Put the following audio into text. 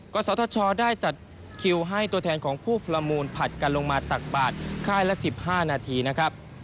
ศทชได้จัดคิวให้ตัวแทนของผู้ประมูลผลัดกันลงมาตักบาทค่ายละ๑๕นาทีนะครับ